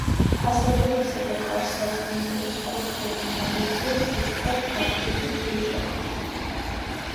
ფასადებისა და კარ-სარკმლების კუთხეები ნაგებია სუფთად გათლილი ქვიშაქვით.